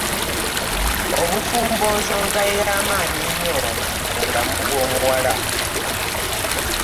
Obufumbo nsonga ey'amaanyi ennyo mu bulamu bw'omuwala.